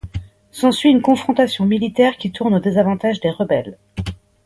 S'ensuit une confrontation militaire qui tourne au désavantage des rebelles.